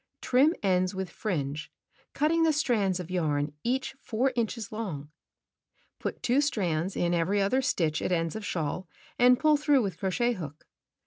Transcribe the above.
Trim ends with fringe, cutting the strands of yam each 4 inches long. Put 2 strands in every other stitch at ends of shawl and pull through with crochet hook.